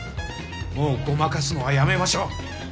もうごまかすのはやめましょう。